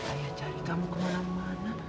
ayah cari kamu kemana mana